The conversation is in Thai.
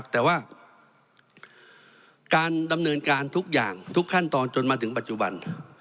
แต่ว่าการดำเนินการทุกอย่างทุกขั้นตอนจนมาถึงปัจจุบัน